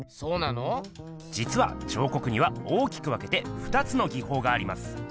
じつは彫刻には大きく分けてふたつの技法があります。